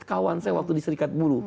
kawan saya waktu di serikat buruh